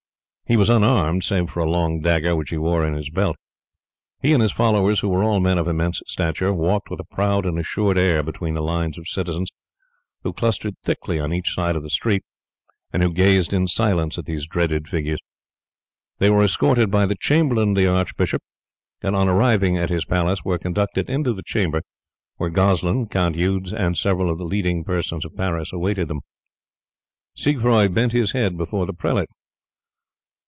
He was unarmed, save a long dagger which he wore in his belt. He and his followers, who were all men of immense stature, walked with a proud and assured air between the lines of citizens who clustered thickly on each side of the street, and who gazed in silence at these dreaded figures. They were escorted by the chamberlain of the archbishop, and on arriving at his palace were conducted into the chamber where Goslin, Count Eudes, and several of the leading persons of Paris awaited them. Siegfroi bent his head before the prelate.